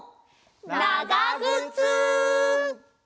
ながぐつ！